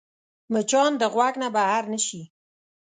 مچان د غوږ نه بهر نه شي